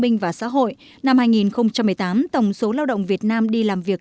minh và xã hội năm hai nghìn một mươi tám tổng số lao động việt nam đi làm việc